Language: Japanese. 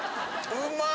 うまい！